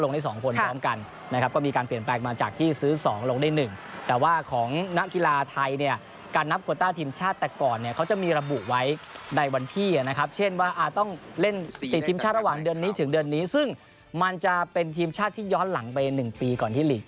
วงแล้วกีฬาคนนี้โอ้ต้องติดทีมชาติรายการนี้ถึงจะไม่ถูก